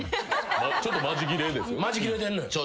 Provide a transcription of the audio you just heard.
ちょっとマジギレですよね。